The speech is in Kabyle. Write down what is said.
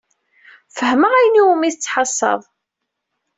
Fehmeɣ ayen umi tettḥassaḍ.